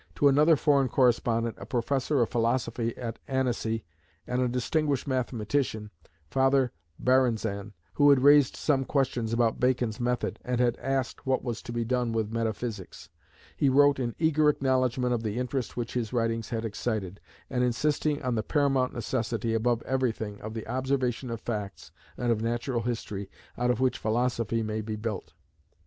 To another foreign correspondent, a professor of philosophy at Annecy, and a distinguished mathematician, Father Baranzan, who had raised some questions about Bacon's method, and had asked what was to be done with metaphysics, he wrote in eager acknowledgment of the interest which his writings had excited, and insisting on the paramount necessity, above everything, of the observation of facts and of natural history, out of which philosophy may be built.